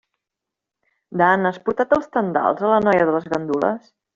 Dan, has portat els tendals a la noia de les gandules?